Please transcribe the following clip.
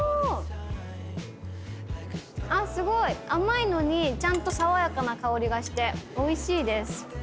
甘いのにちゃんと爽やかな香りがしておいしいです。